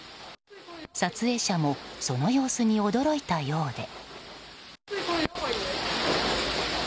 撮影者もその様子に驚いたようで。